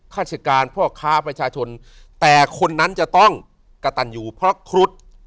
ราชการพ่อค้าประชาชนแต่คนนั้นจะต้องกระตันอยู่เพราะครุฑ